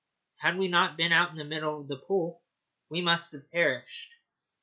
Had we not been out in the middle of the pool, we must have perished.